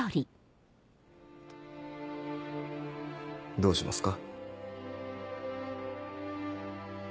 どうしますか？